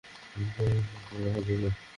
এটা আমার প্রিয় একজন আমাকে দিয়েছিলো রাখার জন্য।